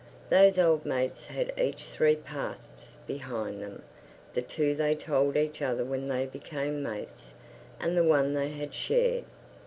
Those old mates had each three pasts behind them. The two they told each other when they became mates, and the one they had shared.